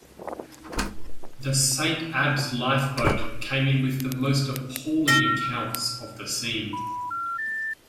The Saint Abbs' lifeboat came in with the most appalling accounts of the scene.